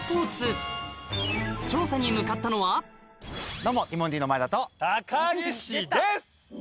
どうもティモンディの前田と。